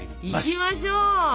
いきましょう！